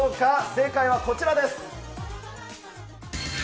正解はこちらです。